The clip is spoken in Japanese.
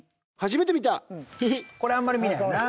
これあんまり見ないな。